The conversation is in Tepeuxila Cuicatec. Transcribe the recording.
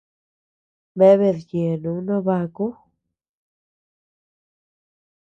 Bea bedyenu noo baku.